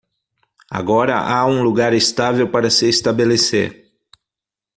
Agora há um lugar estável para se estabelecer.